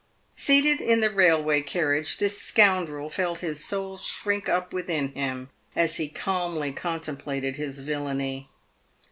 Seated in the railway carriage, this scoundrel felt his soul shrink up within him as he calmly contemplated his villany.